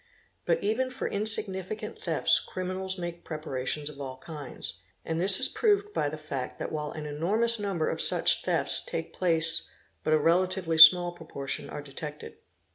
But even for insignificant thefts criminals make preparations of all kinds. And this is proved by the fact that while an enormous number of such thefts | take place but a relatively small proportion are detected.